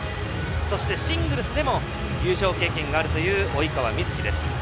そして、シングルスでも優勝経験があるという及川瑞基です。